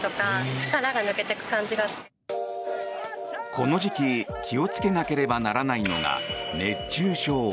この時期気をつけなければならないのが熱中症。